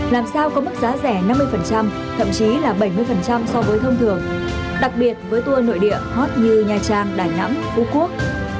làm sao có mức giá rẻ năm mươi thậm chí là bảy mươi so với thông thường đặc biệt với tour nội địa hot như nha trang đà nẵng phú quốc